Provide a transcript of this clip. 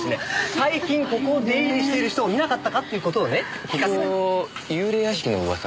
最近ここを出入りしてる人を見なかったかっていう事をね聞かせて。